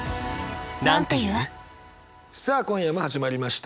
さあ今夜も始まりました。